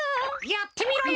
やってみろよ！